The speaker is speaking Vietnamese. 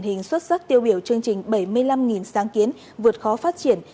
hình xuất sắc tiêu biểu chương trình bảy mươi năm sáng kiến vượt khó phát triển